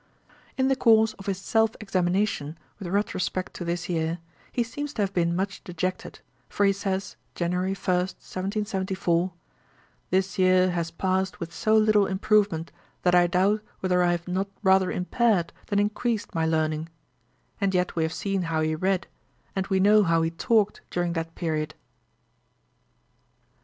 In the course of his self examination with retrospect to this year, he seems to have been much dejected; for he says, January 1, 1774, 'This year has passed with so little improvement, that I doubt whether I have not rather impaired than increased my learning'; and yet we have seen how he read, and we know how he talked during that period.